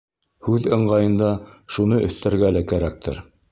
Һүҙ ыңғайында шуны өҫтәргә лә кәрәктер.